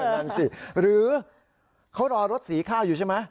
นั่นสิหรือเขารอรถสีข้าวอยู่ใช่ไหม